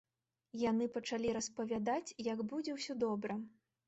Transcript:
Яны пачалі распавядаць, як будзе ўсё добра.